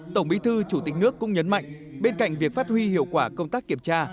tổng bí thư chủ tịch nước cũng nhấn mạnh bên cạnh việc phát huy hiệu quả công tác kiểm tra